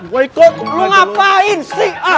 woi kok lu ngapain sih